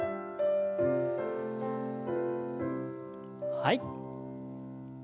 はい。